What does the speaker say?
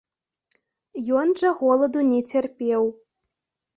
Ён жа голаду не цярпеў.